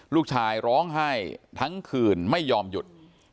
ลูกชายร้องไห้ทั้งคืนไม่ยอมหยุด